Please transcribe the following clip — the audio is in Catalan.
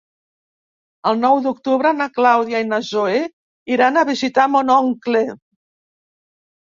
El nou d'octubre na Clàudia i na Zoè iran a visitar mon oncle.